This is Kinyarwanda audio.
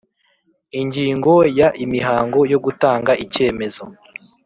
Ingingo ya Imihango yo gutanga icyemezo